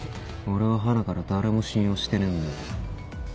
俺ははなから誰も信用してねえんだよ。